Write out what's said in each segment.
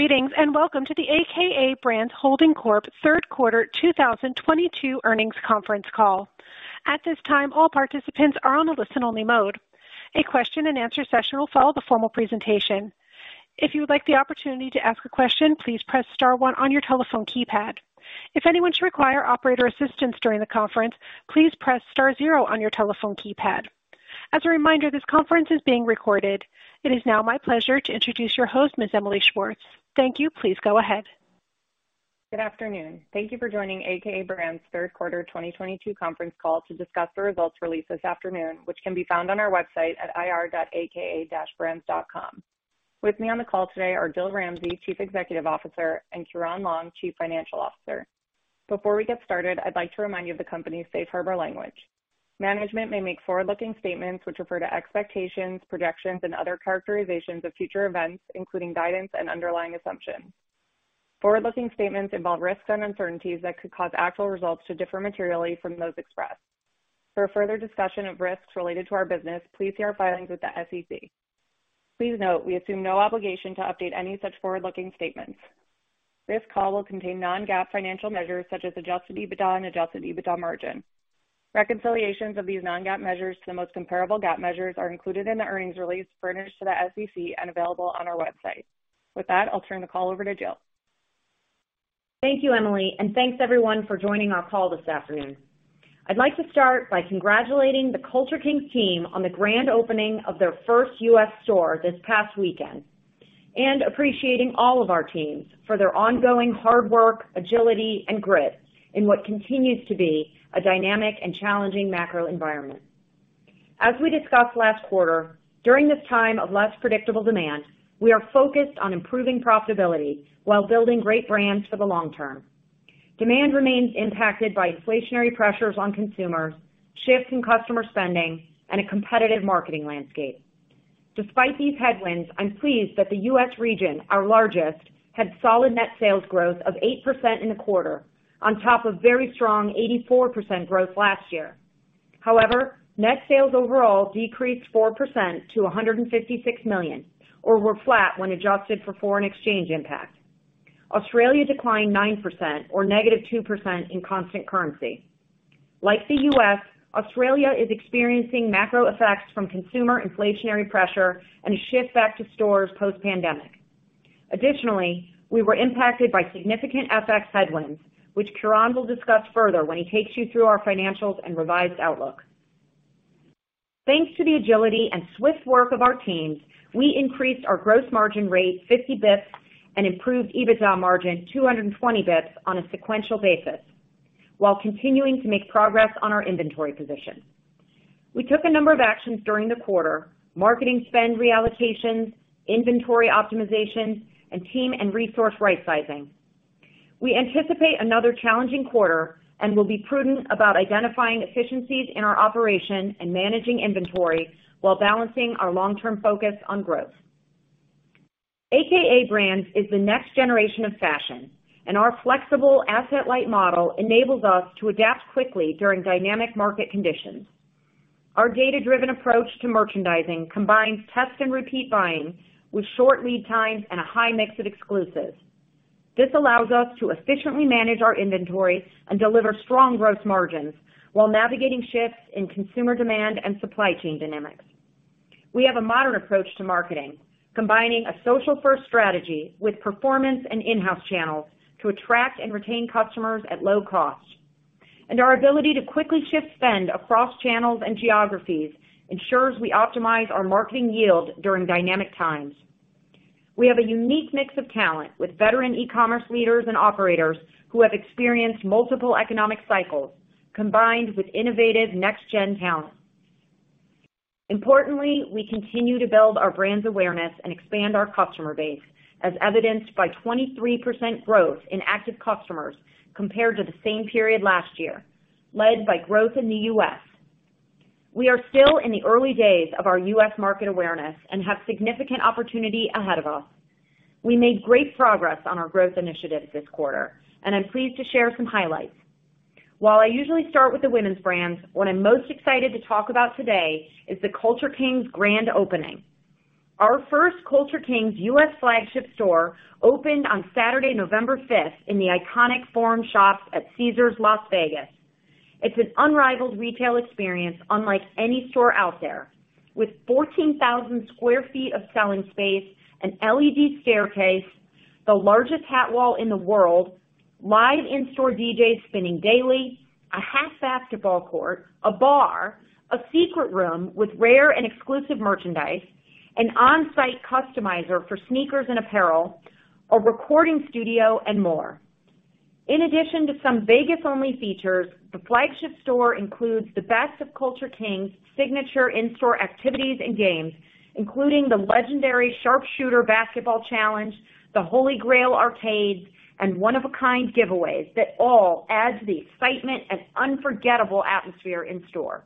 Greetings, and welcome to the a.k.a. Brands Holding Corp. third quarter 2022 earnings conference call. At this time, all participants are in a listen-only mode. A question and answer session will follow the formal presentation. If you would like the opportunity to ask a question, please press star one on your telephone keypad. If anyone should require operator assistance during the conference, please press star zero on your telephone keypad. As a reminder, this conference is being recorded. It is now my pleasure to introduce your host, Ms. Emily Schwartz. Thank you. Please go ahead. Good afternoon. Thank you for joining a.k.a. Brands third quarter 2022 conference call to discuss the results released this afternoon, which can be found on our website at ir.aka-brands.com. With me on the call today are Jill Ramsey, Chief Executive Officer; and Ciaran Long, Chief Financial Officer. Before we get started, I'd like to remind you of the company's safe harbor language. Management may make forward-looking statements which refer to expectations, projections, and other characterizations of future events, including guidance and underlying assumptions. Forward-looking statements involve risks and uncertainties that could cause actual results to differ materially from those expressed. For further discussion of risks related to our business, please see our filings with the SEC. Please note, we assume no obligation to update any such forward-looking statements. This call will contain non-GAAP financial measures such as Adjusted EBITDA and Adjusted EBITDA margin. Reconciliations of these non-GAAP measures to the most comparable GAAP measures are included in the earnings release furnished to the SEC and available on our website. With that, I'll turn the call over to Jill. Thank you, Emily, and thanks everyone for joining our call this afternoon. I'd like to start by congratulating the Culture Kings team on the grand opening of their first U.S. store this past weekend and appreciating all of our teams for their ongoing hard work, agility, and grit in what continues to be a dynamic and challenging macro environment. As we discussed last quarter, during this time of less predictable demand, we are focused on improving profitability while building great brands for the long term. Demand remains impacted by inflationary pressures on consumers, shifts in customer spending, and a competitive marketing landscape. Despite these headwinds, I'm pleased that the U.S. region, our largest, had solid net sales growth of 8% in the quarter, on top of very strong 84% growth last year. However, net sales overall decreased 4% to $156 million, or were flat when adjusted for foreign exchange impact. Australia declined 9% or -2% in constant currency. Like the U.S., Australia is experiencing macro effects from consumer inflationary pressure and a shift back to stores post-pandemic. Additionally, we were impacted by significant FX headwinds, which Ciaran Long will discuss further when he takes you through our financials and revised outlook. Thanks to the agility and swift work of our teams, we increased our gross margin rate 50 basis points and improved EBITDA margin 220 basis points on a sequential basis while continuing to make progress on our inventory position. We took a number of actions during the quarter. Marketing spend reallocations, inventory optimization, and team and resource rightsizing. We anticipate another challenging quarter and will be prudent about identifying efficiencies in our operation and managing inventory while balancing our long-term focus on growth. a.k.a. Brands is the next generation of fashion, and our flexible asset-light model enables us to adapt quickly during dynamic market conditions. Our data-driven approach to merchandising combines test and repeat buying with short lead times and a high mix of exclusives. This allows us to efficiently manage our inventory and deliver strong gross margins while navigating shifts in consumer demand and supply chain dynamics. We have a modern approach to marketing, combining a social-first strategy with performance and in-house channels to attract and retain customers at low cost. Our ability to quickly shift spend across channels and geographies ensures we optimize our marketing yield during dynamic times. We have a unique mix of talent, with veteran e-commerce leaders and operators who have experienced multiple economic cycles, combined with innovative next gen talent. Importantly, we continue to build our brand's awareness and expand our customer base, as evidenced by 23% growth in active customers compared to the same period last year, led by growth in the U.S. We are still in the early days of our U.S. market awareness and have significant opportunity ahead of us. We made great progress on our growth initiatives this quarter, and I'm pleased to share some highlights. While I usually start with the women's brands, what I'm most excited to talk about today is the Culture Kings grand opening. Our first Culture Kings U.S. flagship store opened on Saturday, November 5th, in the iconic Forum Shops at Caesars, Las Vegas. It's an unrivaled retail experience unlike any store out there. With 14,000 sq ft of selling space, an LED staircase, the largest hat wall in the world, live in-store DJs spinning daily, a half basketball court, a bar, a secret room with rare and exclusive merchandise, an on-site customizer for sneakers and apparel, a recording studio, and more. In addition to some Vegas-only features, the flagship store includes the best of Culture Kings' signature in-store activities and games, including the legendary Sharp Shooter Basketball Challenge, the Holy Grail machines, and one-of-a-kind giveaways that all adds the excitement and unforgettable atmosphere in store.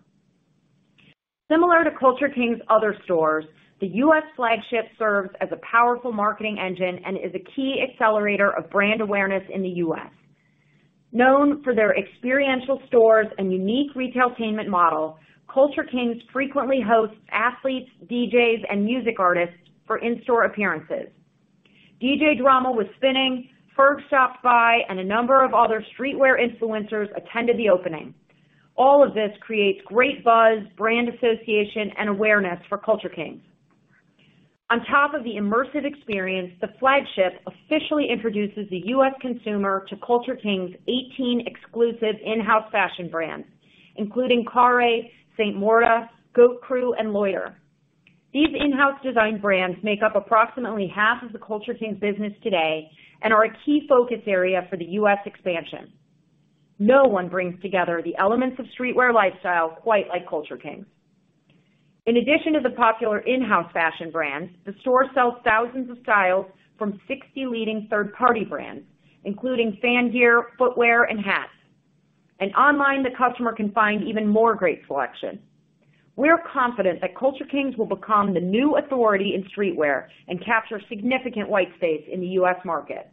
Similar to Culture Kings' other stores, the U.S. flagship serves as a powerful marketing engine and is a key accelerator of brand awareness in the U.S. Known for their experiential stores and unique retailtainment model, Culture Kings frequently hosts athletes, DJs, and music artists for in-store appearances. DJ Drama was spinning, Ferg stopped by, and a number of other streetwear influencers attended the opening. All of this creates great buzz, brand association, and awareness for Culture Kings. On top of the immersive experience, the flagship officially introduces the U.S. consumer to Culture Kings' 18 exclusive in-house fashion brands, including Carré, Saint Morta, Goat Crew, and Loiter. These in-house design brands make up approximately half of the Culture Kings business today and are a key focus area for the U.S. expansion. No one brings together the elements of streetwear lifestyle quite like Culture Kings. In addition to the popular in-house fashion brands, the store sells thousands of styles from 60 leading third-party brands, including fan gear, footwear, and hats. Online, the customer can find even more great selection. We're confident that Culture Kings will become the new authority in streetwear and capture significant white space in the U.S. market.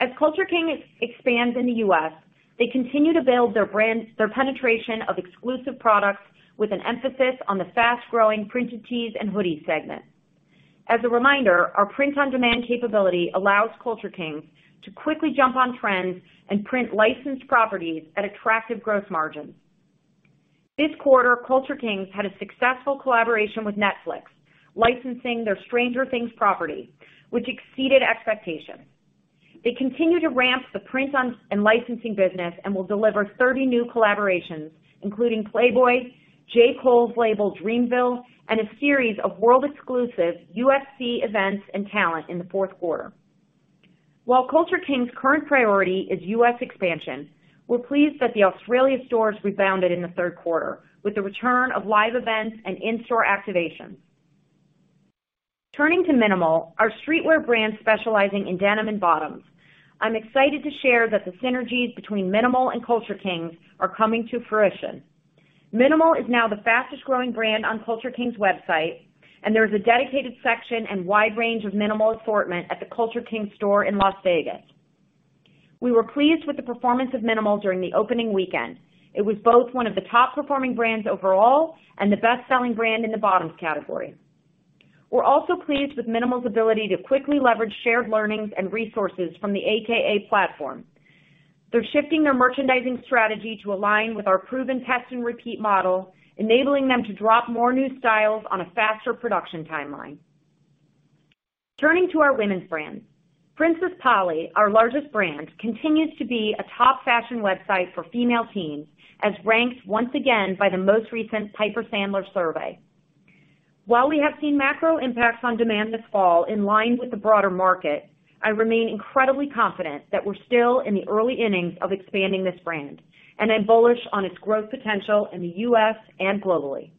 As Culture Kings expands in the U.S., they continue to build their brand, their penetration of exclusive products with an emphasis on the fast-growing printed tees and hoodies segment. As a reminder, our print-on-demand capability allows Culture Kings to quickly jump on trends and print licensed properties at attractive gross margins. This quarter, Culture Kings had a successful collaboration with Netflix, licensing their Stranger Things property, which exceeded expectations. They continue to ramp the print-on-demand and licensing business and will deliver 30 new collaborations, including Playboy, J. Cole's label Dreamville, and a series of world-exclusive UFC events and talent in the fourth quarter. While Culture Kings' current priority is U.S. expansion, we're pleased that the Australia stores rebounded in the third quarter with the return of live events and in-store activations. Turning to mnml, our streetwear brand specializing in denim and bottoms, I'm excited to share that the synergies between mnml and Culture Kings are coming to fruition. mnml is now the fastest-growing brand on Culture Kings' website, and there is a dedicated section and wide range of mnml assortment at the Culture Kings store in Las Vegas. We were pleased with the performance of mnml during the opening weekend. It was both one of the top-performing brands overall and the best-selling brand in the bottoms category. We're also pleased with mnml's ability to quickly leverage shared learnings and resources from the a.k.a. platform. They're shifting their merchandising strategy to align with our proven test and repeat model, enabling them to drop more new styles on a faster production timeline. Turning to our women's brands, Princess Polly, our largest brand, continues to be a top fashion website for female teens, as ranked once again by the most recent Piper Sandler survey. While we have seen macro impacts on demand this fall in line with the broader market, I remain incredibly confident that we're still in the early innings of expanding this brand, and I'm bullish on its growth potential in the U.S. and globally.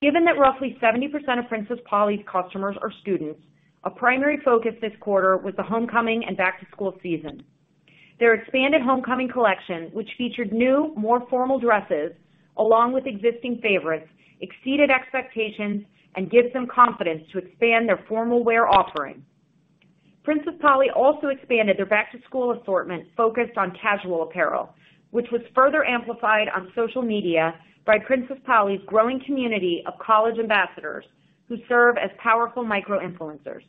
Given that roughly 70% of Princess Polly's customers are students, a primary focus this quarter was the homecoming and back-to-school season. Their expanded homecoming collection, which featured new, more formal dresses along with existing favorites, exceeded expectations and gives them confidence to expand their formal wear offering. Princess Polly also expanded their back-to-school assortment focused on casual apparel, which was further amplified on social media by Princess Polly's growing community of college ambassadors who serve as powerful micro-influencers.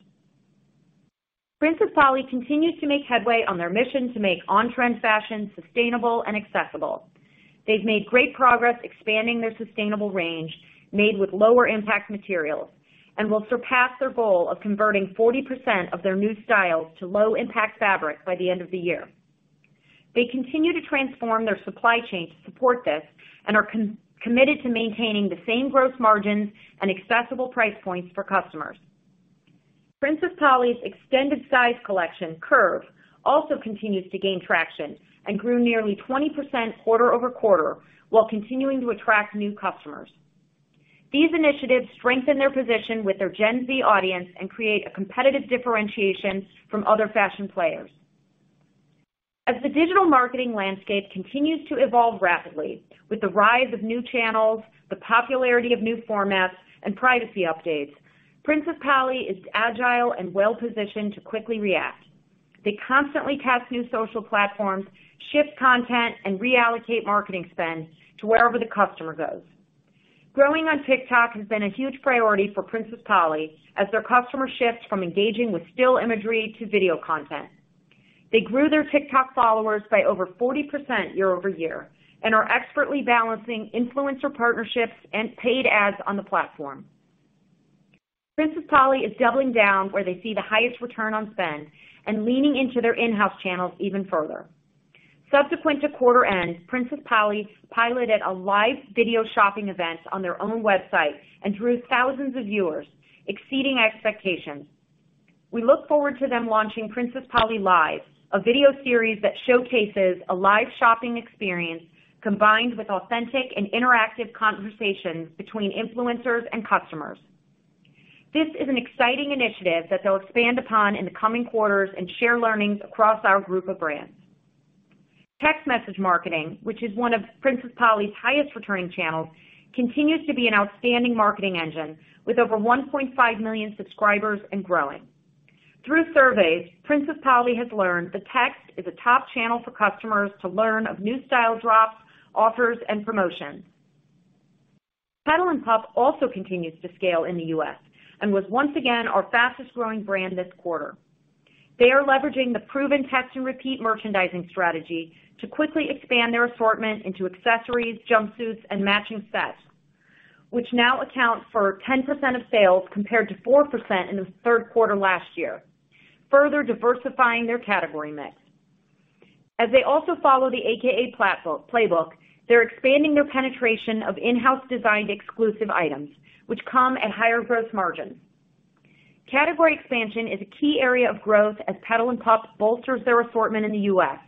Princess Polly continues to make headway on their mission to make on-trend fashion sustainable and accessible. They've made great progress expanding their sustainable range made with lower impact materials and will surpass their goal of converting 40% of their new styles to low impact fabric by the end of the year. They continue to transform their supply chain to support this and are committed to maintaining the same gross margins and accessible price points for customers. Princess Polly's extended size collection, Curve, also continues to gain traction and grew nearly 20% quarter-over-quarter while continuing to attract new customers. These initiatives strengthen their position with their Gen Z audience and create a competitive differentiation from other fashion players. As the digital marketing landscape continues to evolve rapidly with the rise of new channels, the popularity of new formats, and privacy updates, Princess Polly is agile and well-positioned to quickly react. They constantly test new social platforms, shift content, and reallocate marketing spend to wherever the customer goes. Growing on TikTok has been a huge priority for Princess Polly as their customer shifts from engaging with still imagery to video content. They grew their TikTok followers by over 40% year-over-year and are expertly balancing influencer partnerships and paid ads on the platform. Princess Polly is doubling down where they see the highest return on spend and leaning into their in-house channels even further. Subsequent to quarter end, Princess Polly piloted a live video shopping event on their own website and drew thousands of viewers, exceeding expectations. We look forward to them launching Princess Polly Live, a video series that showcases a live shopping experience combined with authentic and interactive conversations between influencers and customers. This is an exciting initiative that they'll expand upon in the coming quarters and share learnings across our group of brands. Text message marketing, which is one of Princess Polly's highest returning channels, continues to be an outstanding marketing engine with over 1.5 million subscribers and growing. Through surveys, Princess Polly has learned the text is a top channel for customers to learn of new style drops, offers, and promotions. Petal & Pup also continues to scale in the U.S. and was once again our fastest-growing brand this quarter. They are leveraging the proven test and repeat merchandising strategy to quickly expand their assortment into accessories, jumpsuits, and matching sets, which now account for 10% of sales compared to 4% in the third quarter last year, further diversifying their category mix. As they also follow the a.k.a. playbook, they're expanding their penetration of in-house designed exclusive items, which come at higher gross margins. Category expansion is a key area of growth as Petal & Pup bolsters their assortment in the U.S.,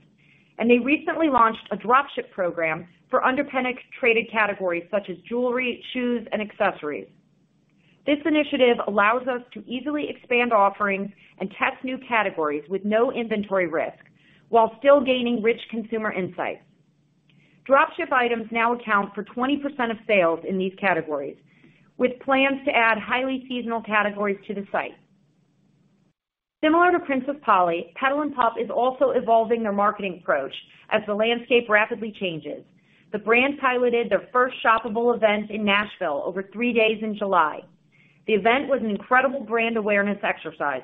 and they recently launched a dropship program for underpenetrated categories such as jewelry, shoes, and accessories. This initiative allows us to easily expand offerings and test new categories with no inventory risk while still gaining rich consumer insights. Dropship items now account for 20% of sales in these categories, with plans to add highly seasonal categories to the site. Similar to Princess Polly, Petal & Pup is also evolving their marketing approach as the landscape rapidly changes. The brand piloted their first shoppable event in Nashville over three days in July. The event was an incredible brand awareness exercise.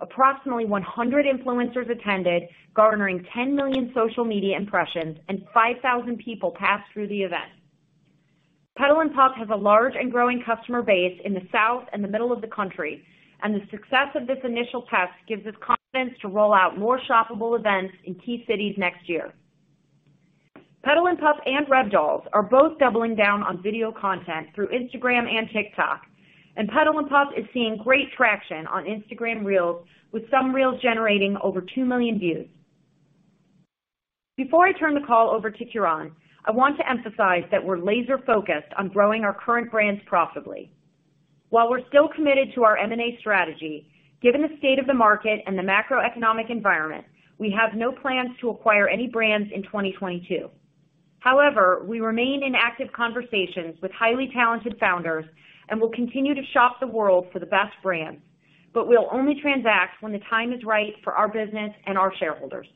Approximately 100 influencers attended, garnering 10 million social media impressions, and 5,000 people passed through the event. Petal & Pup has a large and growing customer base in the South and the middle of the country, and the success of this initial test gives us confidence to roll out more shoppable events in key cities next year. Petal & Pup and Rebdolls are both doubling down on video content through Instagram and TikTok, and Petal & Pup is seeing great traction on Instagram Reels, with some reels generating over 2 million views. Before I turn the call over to Ciaran, I want to emphasize that we're laser-focused on growing our current brands profitably. While we're still committed to our M&A strategy, given the state of the market and the macroeconomic environment, we have no plans to acquire any brands in 2022. However, we remain in active conversations with highly talented founders, and we'll continue to shop the world for the best brands, but we'll only transact when the time is right for our business and our shareholders.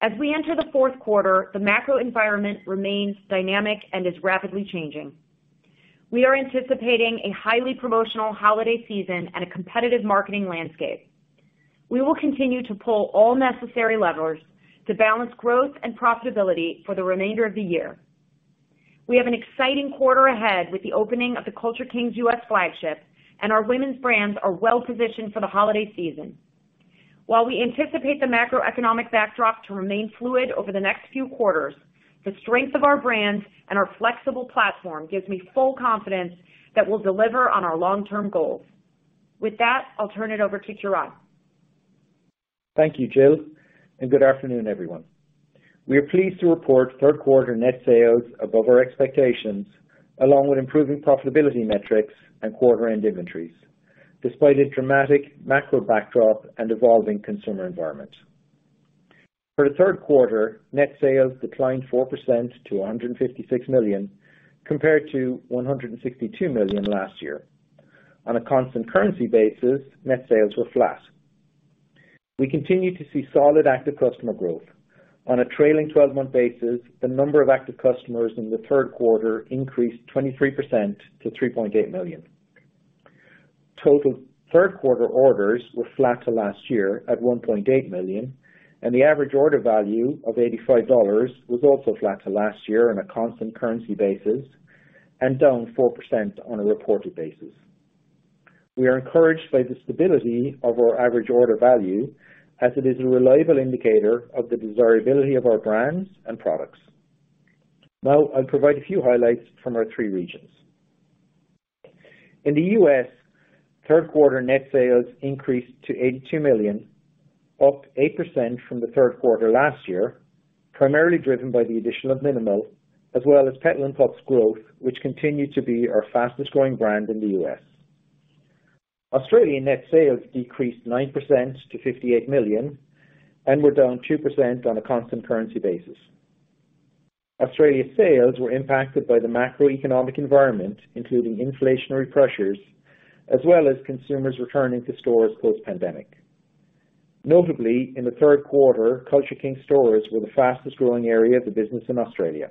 As we enter the fourth quarter, the macro environment remains dynamic and is rapidly changing. We are anticipating a highly promotional holiday season and a competitive marketing landscape. We will continue to pull all necessary levers to balance growth and profitability for the remainder of the year. We have an exciting quarter ahead with the opening of the Culture Kings U.S. flagship, and our women's brands are well positioned for the holiday season. While we anticipate the macroeconomic backdrop to remain fluid over the next few quarters, the strength of our brands and our flexible platform gives me full confidence that we'll deliver on our long-term goals. With that, I'll turn it over to Ciaran. Thank you, Jill, and good afternoon, everyone. We are pleased to report third-quarter net sales above our expectations, along with improving profitability metrics and quarter-end inventories, despite a dramatic macro backdrop and evolving consumer environment. For the third quarter, net sales declined 4% to $156 million, compared to $162 million last year. On a constant currency basis, net sales were flat. We continue to see solid active customer growth. On a trailing twelve-month basis, the number of active customers in the third quarter increased 23% to 3.8 million. Total third-quarter orders were flat to last year at 1.8 million, and the average order value of $85 was also flat to last year on a constant currency basis and down 4% on a reported basis. We are encouraged by the stability of our average order value as it is a reliable indicator of the desirability of our brands and products. Now, I'll provide a few highlights from our three regions. In the U.S., third quarter net sales increased to $82 million, up 8% from the third quarter last year, primarily driven by the addition of mnml, as well as Petal & Pup's growth, which continued to be our fastest-growing brand in the U.S. Australian net sales decreased 9% to $58 million and were down 2% on a constant currency basis. Australia's sales were impacted by the macroeconomic environment, including inflationary pressures, as well as consumers returning to stores post-pandemic. Notably, in the third quarter, Culture Kings stores were the fastest-growing area of the business in Australia.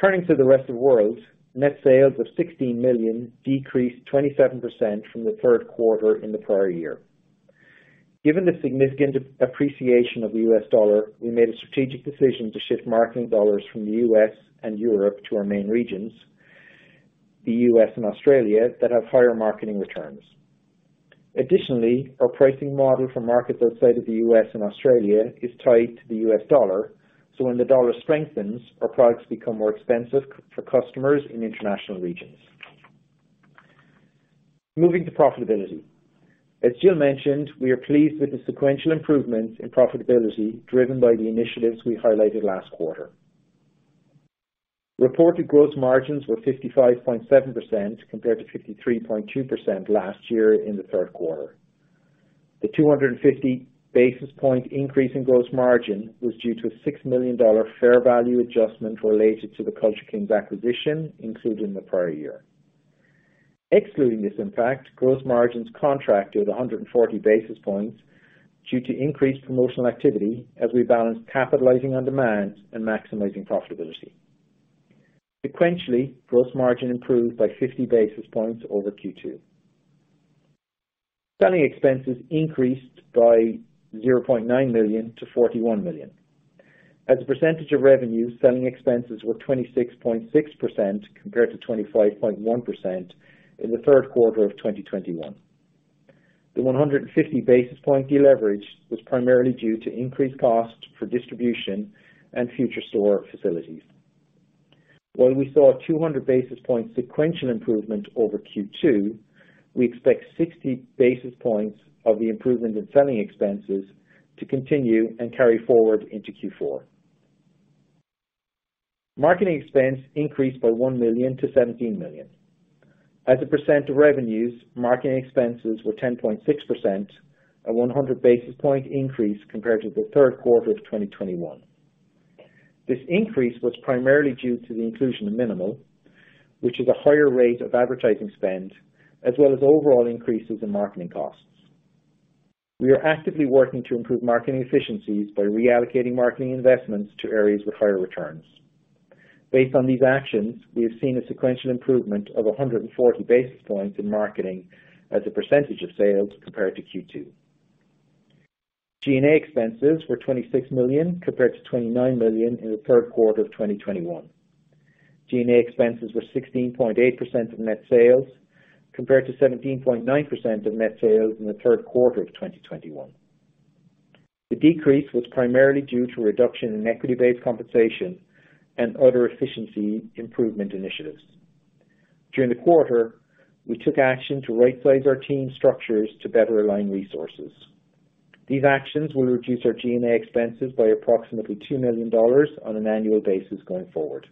Turning to the rest of world, net sales of $16 million decreased 27% from the third quarter in the prior year. Given the significant appreciation of the U.S. dollar, we made a strategic decision to shift marketing dollars from the U.S. and Europe to our main regions, the U.S. and Australia, that have higher marketing returns. Additionally, our pricing model for markets outside of the U.S. and Australia is tied to the U.S. dollar, so when the dollar strengthens, our products become more expensive for customers in international regions. Moving to profitability. As Jill mentioned, we are pleased with the sequential improvements in profitability driven by the initiatives we highlighted last quarter. Reported gross margins were 55.7% compared to 53.2% last year in the third quarter. The 250 basis points increase in gross margin was due to a $6 million fair value adjustment related to the Culture Kings acquisition, including the prior year. Excluding this impact, gross margins contracted 140 basis points due to increased promotional activity as we balanced capitalizing on demand and maximizing profitability. Sequentially, gross margin improved by 50 basis points over Q2. Selling expenses increased by $0.9 million-$41 million. As a percentage of revenue, selling expenses were 26.6% compared to 25.1% in the third quarter of 2021. The 150 basis points deleverage was primarily due to increased costs for distribution and future store facilities. While we saw a 200 basis point sequential improvement over Q2, we expect 60 basis points of the improvement in selling expenses to continue and carry forward into Q4. Marketing expense increased by $1 million-$17 million. As a percent of revenues, marketing expenses were 10.6%, a 100 basis point increase compared to the third quarter of 2021. This increase was primarily due to the inclusion of mnml, which is a higher rate of advertising spend as well as overall increases in marketing costs. We are actively working to improve marketing efficiencies by reallocating marketing investments to areas with higher returns. Based on these actions, we have seen a sequential improvement of 140 basis points in marketing as a percentage of sales compared to Q2. G&A expenses were $26 million compared to $29 million in the third quarter of 2021. G&A expenses were 16.8% of net sales compared to 17.9% of net sales in the third quarter of 2021. The decrease was primarily due to a reduction in equity-based compensation and other efficiency improvement initiatives. During the quarter, we took action to right-size our team structures to better align resources. These actions will reduce our G&A expenses by approximately $2 million on an annual basis going forward.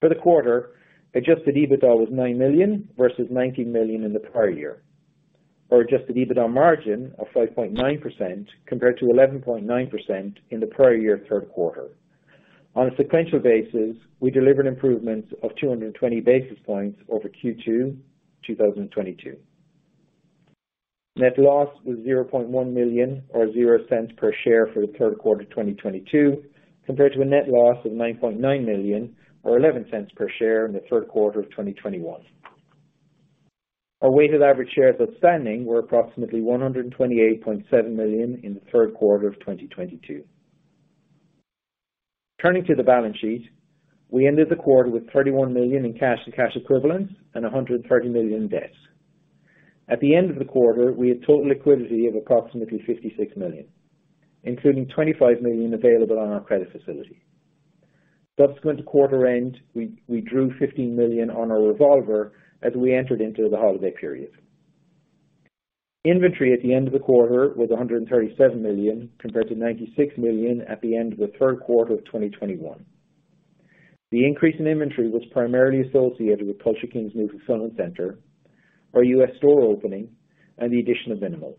For the quarter, Adjusted EBITDA was $9 million versus $19 million in the prior year, or Adjusted EBITDA margin of 5.9% compared to 11.9% in the prior year third quarter. On a sequential basis, we delivered improvements of 220 basis points over Q2 2022. Net loss was $0.1 million or $0.00 per share for the third quarter of 2022, compared to a net loss of $9.9 million or $0.11 per share in the third quarter of 2021. Our weighted average shares outstanding were approximately 128.7 million in the third quarter of 2022. Turning to the balance sheet. We ended the quarter with $31 million in cash and cash equivalents and $130 million in debt. At the end of the quarter, we had total liquidity of approximately $56 million, including $25 million available on our credit facility. Subsequent to quarter end, we drew $15 million on our revolver as we entered into the holiday period. Inventory at the end of the quarter was $137 million compared to $96 million at the end of the third quarter of 2021. The increase in inventory was primarily associated with Culture Kings' new fulfillment center, our U.S. store opening and the addition of mnml.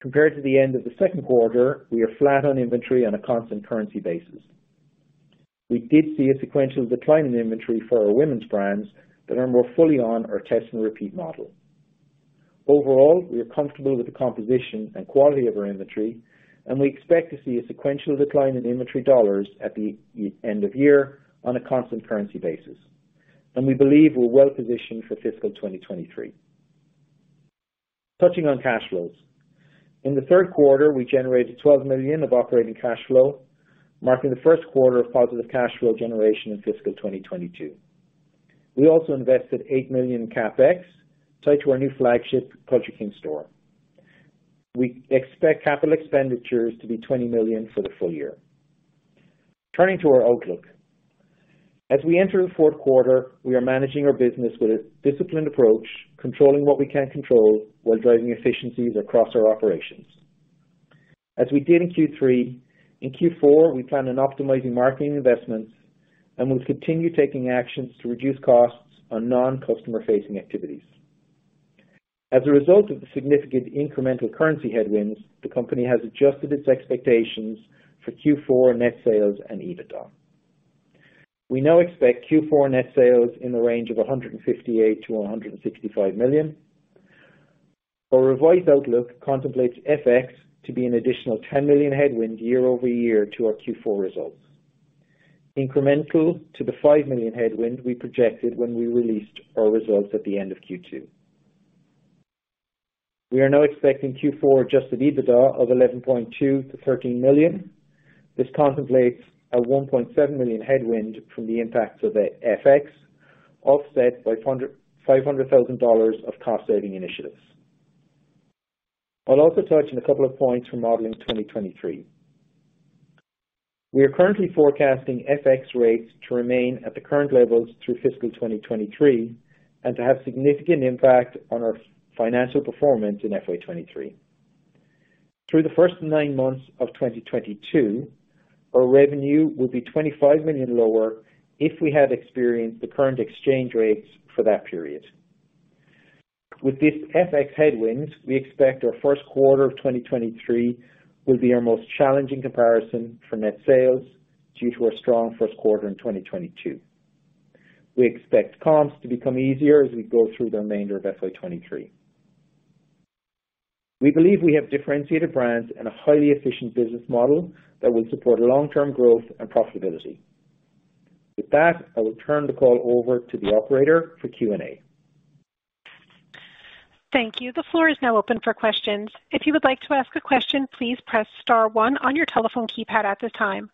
Compared to the end of the second quarter, we are flat on inventory on a constant currency basis. We did see a sequential decline in inventory for our women's brands that are more fully on our test and repeat model. Overall, we are comfortable with the composition and quality of our inventory, and we expect to see a sequential decline in inventory dollars at the end of year on a constant currency basis. We believe we're well positioned for fiscal 2023. Touching on cash flows. In the third quarter, we generated $12 million of operating cash flow, marking the first quarter of positive cash flow generation in fiscal 2022. We also invested $8 million in CapEx tied to our new flagship Culture Kings store. We expect capital expenditures to be $20 million for the full year. Turning to our outlook. As we enter the fourth quarter, we are managing our business with a disciplined approach, controlling what we can control while driving efficiencies across our operations. As we did in Q3, in Q4, we plan on optimizing marketing investments, and we'll continue taking actions to reduce costs on non-customer facing activities. As a result of the significant incremental currency headwinds, the company has adjusted its expectations for Q4 net sales and EBITDA. We now expect Q4 net sales in the range of $158 million-$165 million. Our revised outlook contemplates FX to be an additional $10 million headwind year-over-year to our Q4 results. Incremental to the $5 million headwind we projected when we released our results at the end of Q2. We are now expecting Q4 Adjusted EBITDA of $11.2 million-$13 million. This contemplates a $1.7 million headwind from the impacts of the FX, offset by $500,000 of cost saving initiatives. I'll also touch on a couple of points for modeling 2023. We are currently forecasting FX rates to remain at the current levels through fiscal 2023 and to have significant impact on our financial performance in FY 2023. Through the first nine months of 2022, our revenue will be $25 million lower if we had experienced the current exchange rates for that period. With this FX headwind, we expect our first quarter of 2023 will be our most challenging comparison for net sales due to our strong first quarter in 2022. We expect comps to become easier as we go through the remainder of FY 2023. We believe we have differentiated brands and a highly efficient business model that will support long-term growth and profitability. With that, I will turn the call over to the operator for Q&A. Thank you. The floor is now open for questions. If you would like to ask a question, please press star one on your telephone keypad at this time.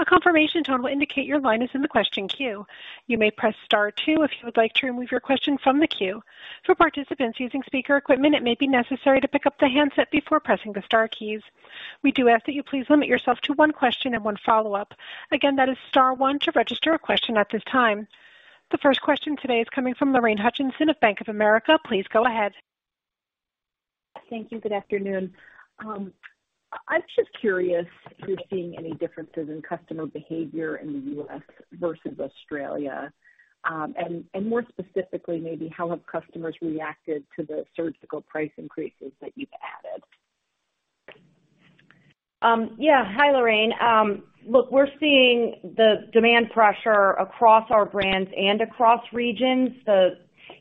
A confirmation tone will indicate your line is in the question queue. You may press star two if you would like to remove your question from the queue. For participants using speaker equipment, it may be necessary to pick up the handset before pressing the star keys. We do ask that you please limit yourself to one question and one follow-up. Again, that is star one to register a question at this time. The first question today is coming from Lorraine Hutchinson of Bank of America. Please go ahead. Thank you. Good afternoon. I'm just curious if you're seeing any differences in customer behavior in the U.S. versus Australia. More specifically, maybe how have customers reacted to the strategic price increases that you've added? Hi, Lorraine. Look, we're seeing the demand pressure across our brands and across regions.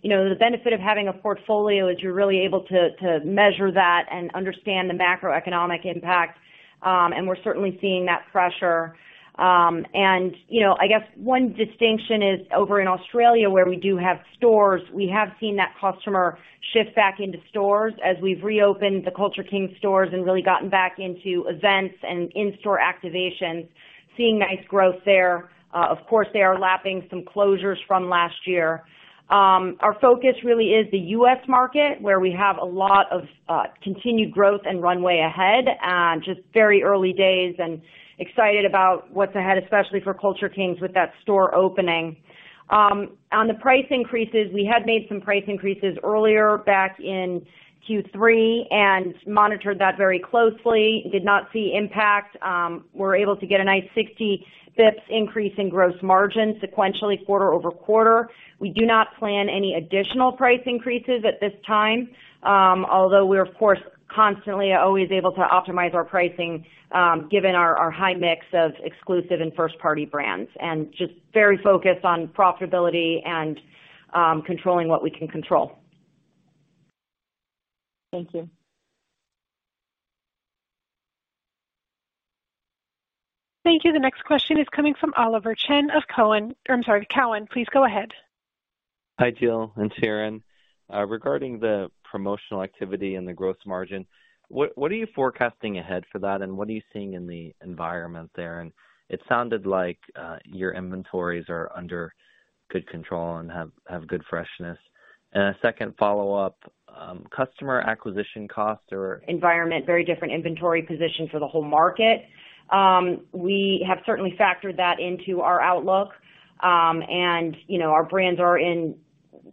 You know, the benefit of having a portfolio is you're really able to measure that and understand the macroeconomic impact. We're certainly seeing that pressure. You know, I guess one distinction is over in Australia where we do have stores. We have seen that customer shift back into stores as we've reopened the Culture Kings stores and really gotten back into events and in-store activations, seeing nice growth there. Of course, they are lapping some closures from last year. Our focus really is the U.S. market, where we have a lot of continued growth and runway ahead. Just very early days and excited about what's ahead, especially for Culture Kings with that store opening. On the price increases, we had made some price increases earlier back in Q3 and monitored that very closely, and did not see impact. We're able to get a nice 60 basis points increase in gross margin sequentially quarter-over-quarter. We do not plan any additional price increases at this time. Although we're of course constantly always able to optimize our pricing, given our high mix of exclusive and first-party brands, and just very focused on profitability and controlling what we can control. Thank you. Thank you. The next question is coming from Oliver Chen of Cowen. I'm sorry, Cowen. Please go ahead. Hi, Jill and Ciaran. Regarding the promotional activity and the gross margin, what are you forecasting ahead for that, and what are you seeing in the environment there? It sounded like your inventories are under good control and have good freshness. A second follow-up, customer acquisition costs are? Environment, very different inventory position for the whole market. We have certainly factored that into our outlook. You know, our brands are in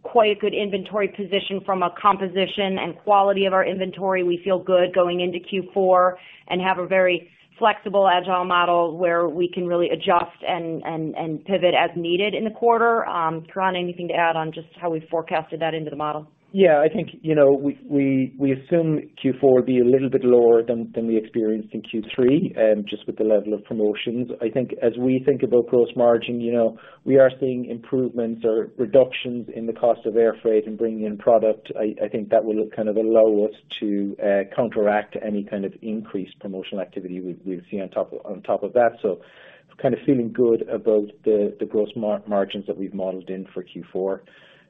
quite a good inventory position from a composition and quality of our inventory. We feel good going into Q4 and have a very flexible agile model where we can really adjust and pivot as needed in the quarter. Ciaran, anything to add on just how we've forecasted that into the model? Yeah, I think, you know, we assume Q4 will be a little bit lower than we experienced in Q3, just with the level of promotions. I think as we think about gross margin, you know, we are seeing improvements or reductions in the cost of air freight and bringing in product. I think that will kind of allow us to counteract any kind of increased promotional activity we've seen on top of that. So kind of feeling good about the gross margins that we've modeled in for Q4.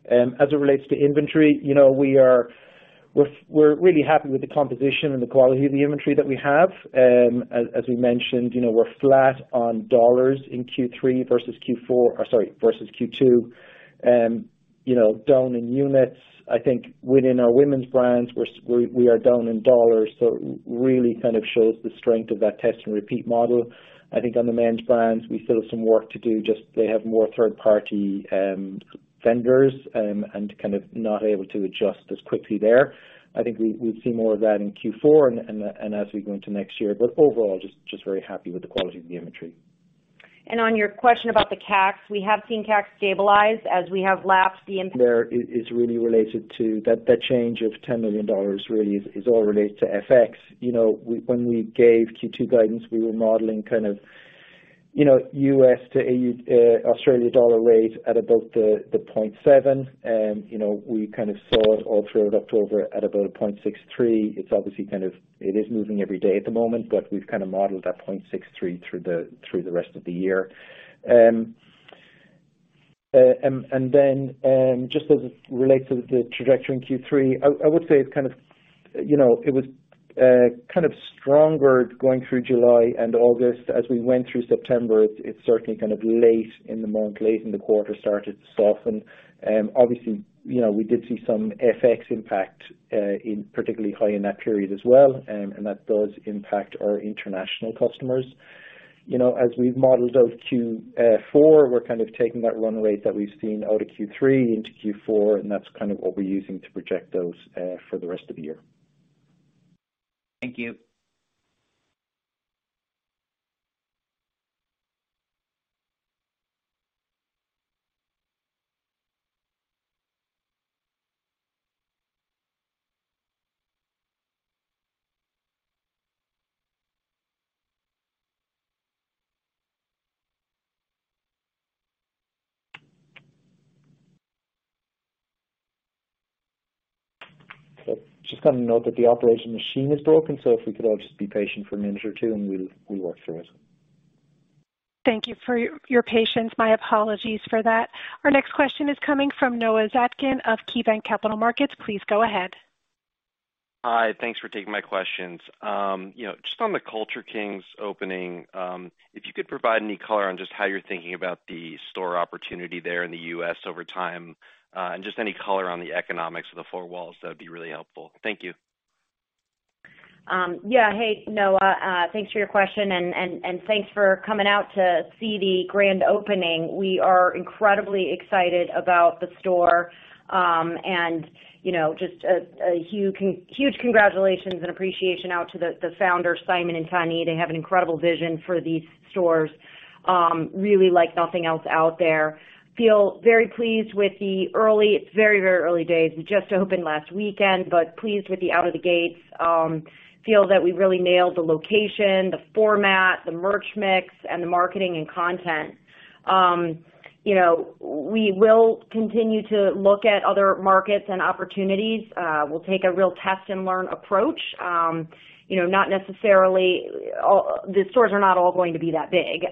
As it relates to inventory, you know, we are really happy with the composition and the quality of the inventory that we have. As we mentioned, you know, we're flat on dollars in Q3 versus Q4, or sorry, versus Q2. You know, down in units. I think within our women's brands, we are down in dollars. So really kind of shows the strength of that test and repeat model. I think on the men's brands, we still have some work to do, just they have more third-party vendors, and kind of not able to adjust as quickly there. I think we'll see more of that in Q4 and as we go into next year. Overall, just very happy with the quality of the inventory. On your question about the CACs, we have seen CAC stabilize as we have lapped the That is really related to that change of $10 million. That really is all related to FX. When we gave Q2 guidance, we were modeling U.S. to Australian dollar rate at about the 0.7. We saw it all through October at about 0.63. It's obviously moving every day at the moment, but we've modeled that 0.63 through the rest of the year. Then just as it relates to the trajectory in Q3, I would say it was stronger going through July and August. As we went through September, it certainly, late in the month, late in the quarter, started to soften. Obviously, you know, we did see some FX impact, particularly high in that period as well, and that does impact our international customers. You know, as we've modeled out Q4, we're kind of taking that run rate that we've seen out of Q3 into Q4, and that's kind of what we're using to project those for the rest of the year. Thank you. Just a note that the operator machine is broken, so if we could all just be patient for a minute or two, and we'll work through it. Thank you for your patience. My apologies for that. Our next question is coming from Noah Zatzkin of KeyBanc Capital Markets. Please go ahead. Hi. Thanks for taking my questions. You know, just on the Culture Kings opening, if you could provide any color on just how you're thinking about the store opportunity there in the U.S. over time, and just any color on the economics of the four walls, that would be really helpful. Thank you. Yeah. Hey, Noah, thanks for your question and thanks for coming out to see the grand opening. We are incredibly excited about the store, and, you know, just a huge congratulations and appreciation out to the founders, Simon and Tahnee. They have an incredible vision for these stores, really like nothing else out there. Feel very pleased with the early. It's very early days. We just opened last weekend, but pleased with the out of the gates, feel that we really nailed the location, the format, the merch mix, and the marketing and content. You know, we will continue to look at other markets and opportunities. We'll take a real test and learn approach. You know, not necessarily all. The stores are not all going to be that big.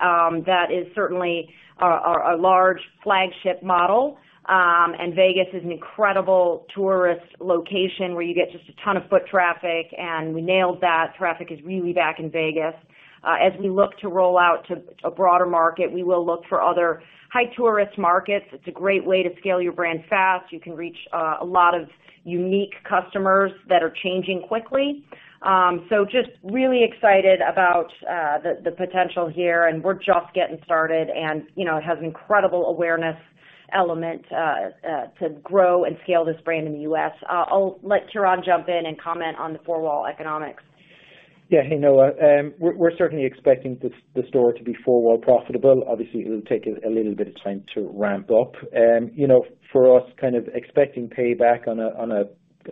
That is certainly a large flagship model. Vegas is an incredible tourist location where you get just a ton of foot traffic, and we nailed that. Traffic is really back in Vegas. As we look to roll out to a broader market, we will look for other high tourist markets. It's a great way to scale your brand fast. You can reach a lot of unique customers that are changing quickly. Just really excited about the potential here, and we're just getting started and, you know, it has incredible awareness element to grow and scale this brand in the U.S. I'll let Ciaran jump in and comment on the four-wall economics. Yeah. Hey, Noah. We're certainly expecting the store to be four-wall profitable. Obviously, it'll take a little bit of time to ramp up. You know, for us, kind of expecting payback on a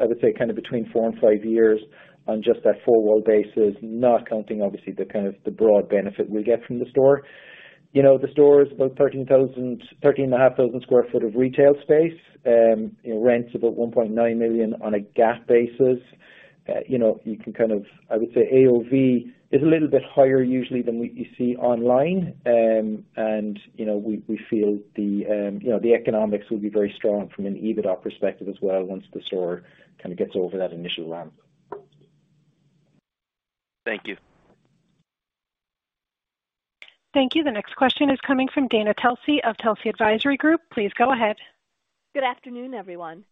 I would say kind of between four and five years on just that four-wall basis, not counting obviously the kind of the broad benefit we'll get from the store. You know, the store is about 13,500 sq ft of retail space. You know, rent's about $1.9 million on a GAAP basis. You know, you can kind of I would say AOV is a little bit higher usually than what you see online. You know, we feel the economics will be very strong from an EBITDA perspective as well once the store kinda gets over that initial ramp. Thank you. Thank you. The next question is coming from Dana Telsey of Telsey Advisory Group. Please go ahead. Good afternoon, everyone.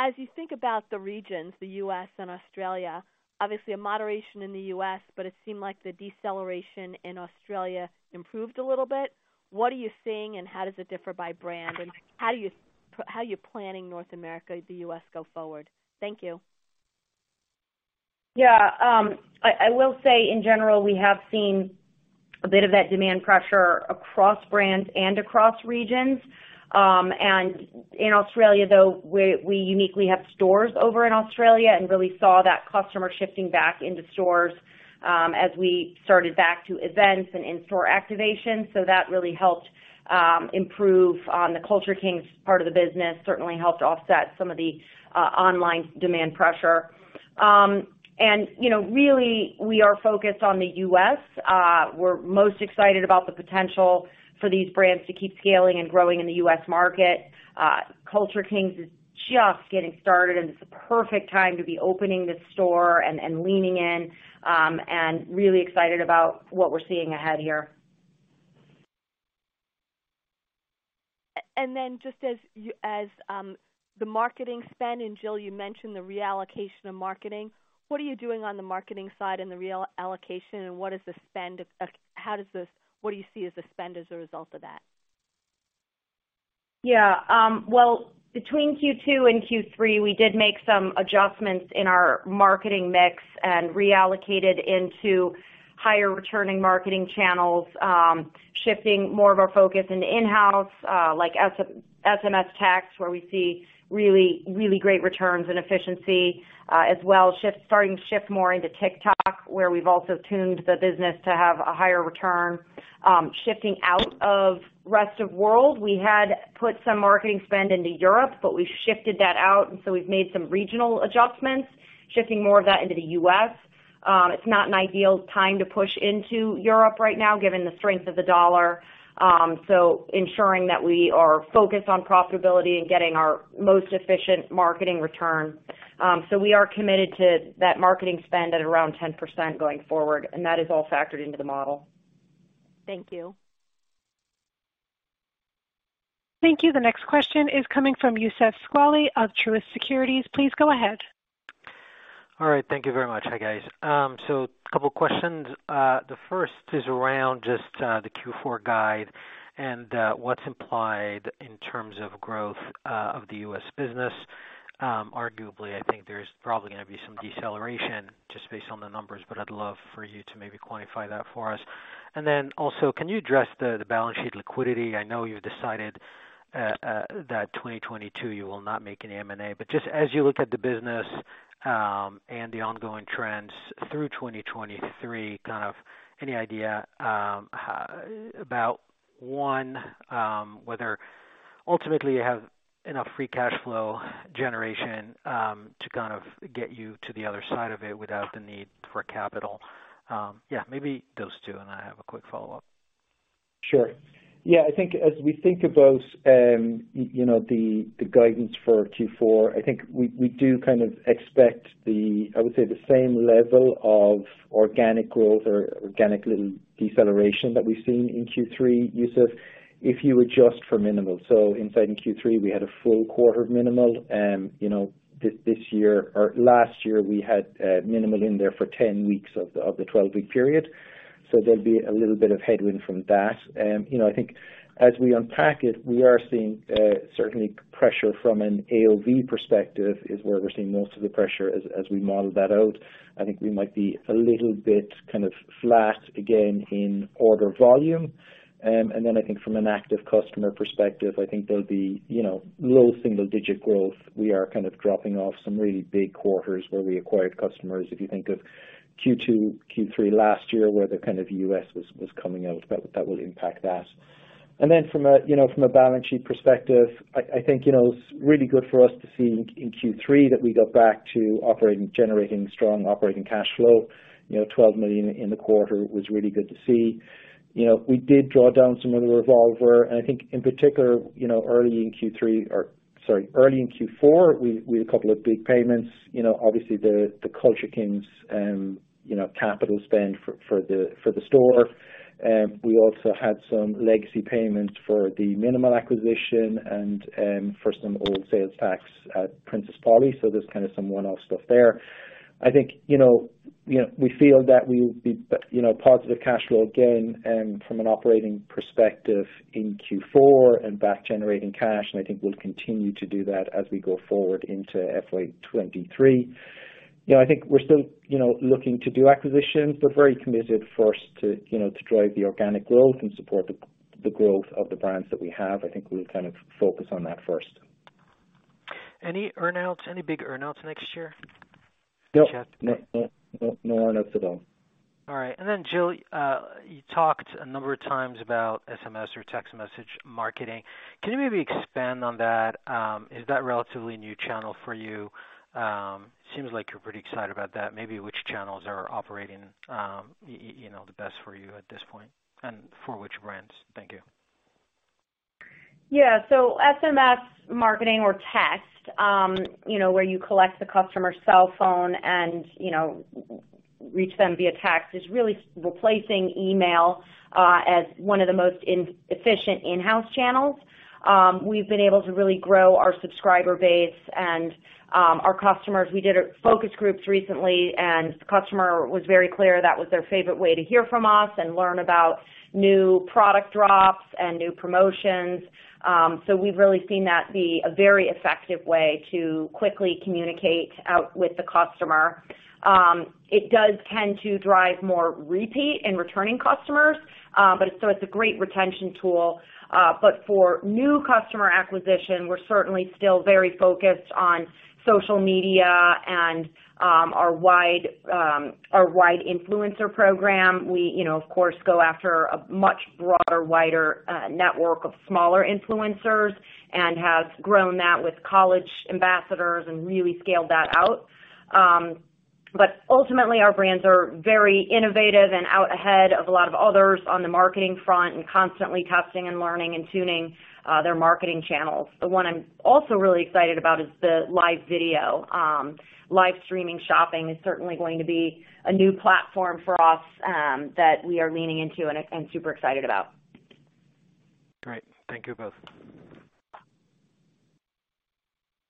As you think about the regions, the U.S. and Australia, obviously a moderation in the U.S., but it seemed like the deceleration in Australia improved a little bit. What are you seeing and how does it differ by brand? How are you planning North America, the U.S. going forward? Thank you. Yeah. I will say in general, we have seen a bit of that demand pressure across brands and across regions. In Australia, though, we uniquely have stores over in Australia and really saw that customer shifting back into stores, as we started back to events and in-store activation. That really helped improve the Culture Kings part of the business. Certainly helped offset some of the online demand pressure. You know, really we are focused on the U.S. We're most excited about the potential for these brands to keep scaling and growing in the U.S. market. Culture Kings is just getting started, and it's a perfect time to be opening this store and leaning in, and really excited about what we're seeing ahead here. Just as the marketing spend, and Jill, you mentioned the reallocation of marketing, what are you doing on the marketing side and the reallocation, and what is the spend, what do you see as the spend as a result of that? Well, between Q2 and Q3, we did make some adjustments in our marketing mix and reallocated into higher returning marketing channels, shifting more of our focus into in-house, like SMS text, where we see really great returns and efficiency, as well. Starting to shift more into TikTok, where we've also tuned the business to have a higher return. Shifting out of rest of world. We had put some marketing spend into Europe, but we've shifted that out, and so we've made some regional adjustments, shifting more of that into the U.S. It's not an ideal time to push into Europe right now given the strength of the U.S. dollar. So ensuring that we are focused on profitability and getting our most efficient marketing return. We are committed to that marketing spend at around 10% going forward, and that is all factored into the model. Thank you. Thank you. The next question is coming from Youssef Squali of Truist Securities. Please go ahead. All right. Thank you very much. Hi, guys. So couple questions. The first is around just the Q4 guide and what's implied in terms of growth of the U.S. business. Arguably, I think there's probably gonna be some deceleration just based on the numbers, but I'd love for you to maybe quantify that for us. Then also, can you address the balance sheet liquidity? I know you've decided that 2022 you will not make any M&A, but just as you look at the business and the ongoing trends through 2023, kind of any idea about one whether ultimately you have enough free cash flow generation to kind of get you to the other side of it without the need for capital? Yeah, maybe those two, and I have a quick follow-up. Sure. Yeah, I think as we think about you know, the guidance for Q4, I think we do kind of expect. I would say the same level of organic growth or organic little deceleration that we've seen in Q3, Youssef, if you adjust for mnml. In Q3, we had a full quarter mnml. You know, this year or last year, we had mnml in there for 10 weeks of the 12-week period. There'll be a little bit of headwind from that. You know, I think as we unpack it, we are seeing certainly pressure from an AOV perspective is where we're seeing most of the pressure as we model that out. I think we might be a little bit kind of flat again in order volume. I think from an active customer perspective, I think there'll be, you know, low single digit growth. We are kind of dropping off some really big quarters where we acquired customers. If you think of Q2, Q3 last year, where the kind of U.S. was coming out, that will impact that. From a balance sheet perspective, I think, you know, it's really good for us to see in Q3 that we got back to operating, generating strong operating cash flow. You know, $12 million in the quarter was really good to see. You know, we did draw down some of the revolver, and I think in particular, you know, early in Q3 or sorry, early in Q4, we had a couple of big payments. You know, obviously the Culture Kings capital spend for the store. We also had some legacy payments for the mnml acquisition and for some old sales tax at Princess Polly. There's kinda some one-off stuff there. I think, you know, we feel that we'll be positive cash flow again from an operating perspective in Q4 and back generating cash, and I think we'll continue to do that as we go forward into FY 2023. You know, I think we're still looking to do acquisitions. We're very committed first to drive the organic growth and support the growth of the brands that we have. I think we'll kind of focus on that first. Any earn-outs? Any big earn-outs next year? No, no earn outs at all. All right. Jill, you talked a number of times about SMS or text message marketing. Can you maybe expand on that? Is that relatively new channel for you? Seems like you're pretty excited about that. Maybe which channels are operating, you know, the best for you at this point, and for which brands? Thank you. Yeah. SMS marketing or text, you know, where you collect the customer's cell phone and, you know, reach them via text is really replacing email, as one of the most efficient in-house channels. We've been able to really grow our subscriber base and our customers. We did focus groups recently, and the customer was very clear that was their favorite way to hear from us and learn about new product drops and new promotions. We've really seen that be a very effective way to quickly communicate with the customer. It does tend to drive more repeat and returning customers, but it's a great retention tool. For new customer acquisition, we're certainly still very focused on social media and our wide influencer program. We, you know, of course, go after a much broader, wider network of smaller influencers and have grown that with college ambassadors and really scaled that out. Ultimately, our brands are very innovative and out ahead of a lot of others on the marketing front and constantly testing and learning and tuning their marketing channels. The one I'm also really excited about is the live video. Live streaming shopping is certainly going to be a new platform for us, that we are leaning into and super excited about. Great. Thank you both.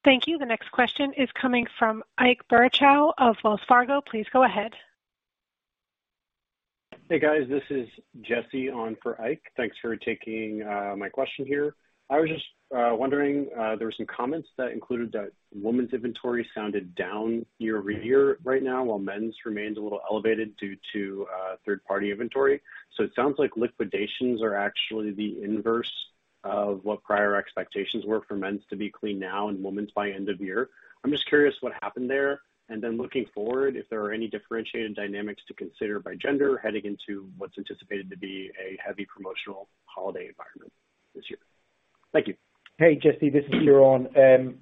Thank you. The next question is coming from Ike Boruchow of Wells Fargo. Please go ahead. Hey, guys. This is Jesse on for Ike. Thanks for taking my question here. I was just wondering there were some comments that included that women's inventory sounded down year-over-year right now, while men's remains a little elevated due to third-party inventory. It sounds like liquidations are actually the inverse of what prior expectations were for men's to be clean now and women's by end of year. I'm just curious what happened there. Looking forward, if there are any differentiated dynamics to consider by gender heading into what's anticipated to be a heavy promotional holiday environment this year. Thank you. Hey, Jesse, this is Ciaran.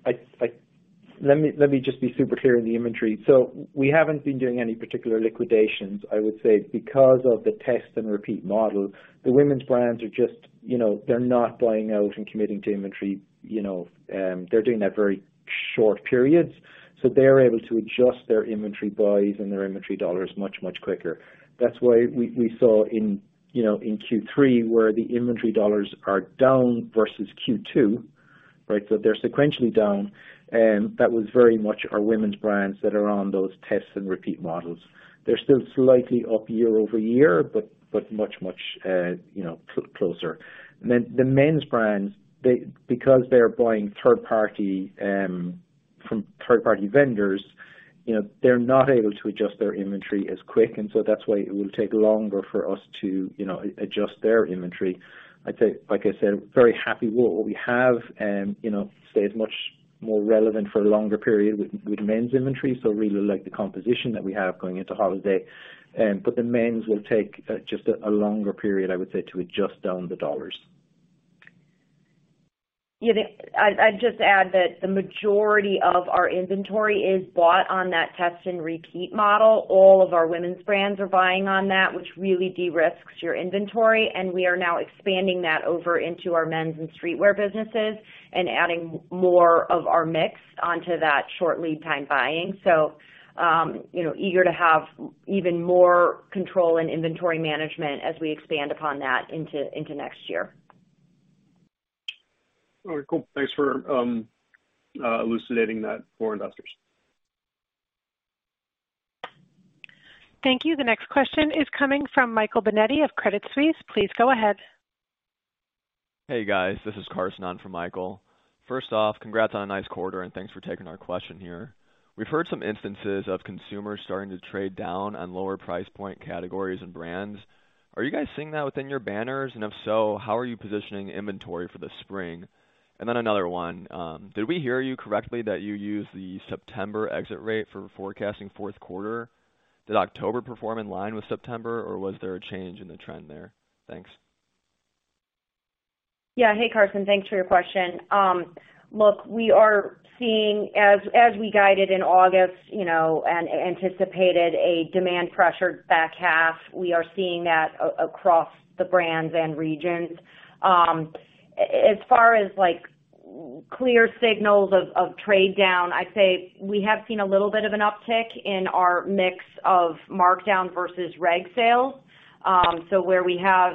Let me just be super clear on the inventory. We haven't been doing any particular liquidations. I would say because of the test and repeat model, the women's brands are just, you know, they're not buying out and committing to inventory, you know, they're doing that very short periods. They're able to adjust their inventory buys and their inventory dollars much quicker. That's why we saw in, you know, in Q3, where the inventory dollars are down versus Q2, right? They're sequentially down, and that was very much our women's brands that are on those test and repeat models. They're still slightly up year-over-year, but much, you know, closer. The men's brands, because they are buying third-party from third-party vendors, you know, they're not able to adjust their inventory as quick, and so that's why it will take longer for us to, you know, adjust their inventory. I'd say, like I said, very happy with what we have, you know, stays much more relevant for a longer period with men's inventory, so really like the composition that we have going into holiday. The men's will take just a longer period, I would say, to adjust down the dollars. Yeah, I'd just add that the majority of our inventory is bought on that test and repeat model. All of our women's brands are buying on that, which really de-risks your inventory, and we are now expanding that over into our men's and streetwear businesses and adding more of our mix onto that short lead time buying. You know, eager to have even more control in inventory management as we expand upon that into next year. All right. Cool. Thanks for elucidating that for investors. Thank you. The next question is coming from Michael Binetti of Credit Suisse. Please go ahead. Hey, guys. This is Carson on for Michael. First off, congrats on a nice quarter, and thanks for taking our question here. We've heard some instances of consumers starting to trade down on lower price point categories and brands. Are you guys seeing that within your banners? If so, how are you positioning inventory for the spring? Another one. Did we hear you correctly that you used the September exit rate for forecasting fourth quarter? Did October perform in line with September, or was there a change in the trend there? Thanks. Yeah. Hey, Carson. Thanks for your question. Look, we are seeing as we guided in August, you know, anticipated demand pressured back half. We are seeing that across the brands and regions. As far as, like, clear signals of trade down, I'd say we have seen a little bit of an uptick in our mix of markdown versus reg sales. So where we have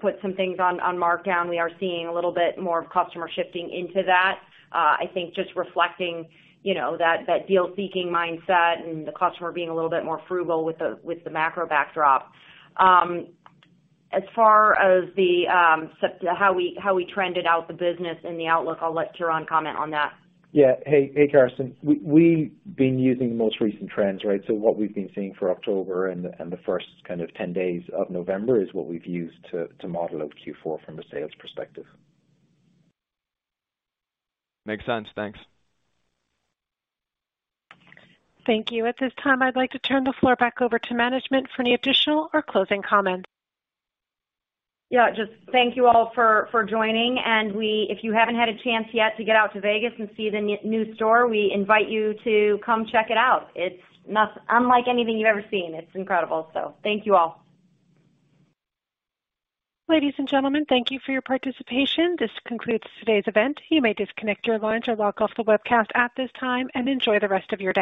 put some things on markdown, we are seeing a little bit more of customer shifting into that. I think just reflecting, you know, that deal-seeking mindset and the customer being a little bit more frugal with the macro backdrop. As far as how we trended out the business and the outlook, I'll let Ciaran comment on that. Yeah. Hey, Carson. We been using the most recent trends, right? What we've been seeing for October and the first kind of 10 days of November is what we've used to model out Q4 from a sales perspective. Makes sense. Thanks. Thank you. At this time, I'd like to turn the floor back over to management for any additional or closing comments. Yeah, just thank you all for joining. If you haven't had a chance yet to get out to Vegas and see the new store, we invite you to come check it out. It's unlike anything you've ever seen. It's incredible. Thank you all. Ladies and gentlemen, thank you for your participation. This concludes today's event. You may disconnect your lines or log off the webcast at this time, and enjoy the rest of your day.